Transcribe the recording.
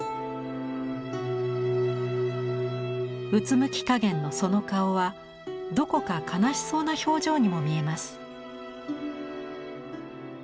うつむきかげんのその顔はどこか悲しそうな表情にも見えます。